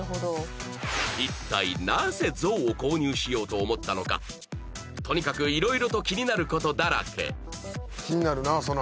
一体なぜゾウを購入しようと思ったのかとにかく色々と気になることだらけ